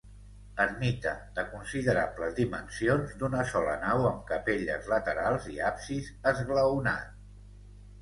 Ermita, de considerables dimensions, d'una sola nau amb capelles laterals i absis esglaonat.